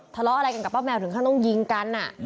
ทะเลาะอะไรกันกับป้าแมวถึงขั้นต้องยิงกัน